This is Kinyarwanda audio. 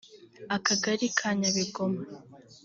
Akagari ka Nyabigoma